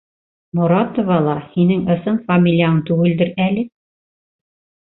Моратова ла һинең ысын фамилияң түгелдер әле?